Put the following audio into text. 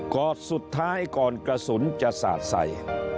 อดสุดท้ายก่อนกระสุนจะสาดใส่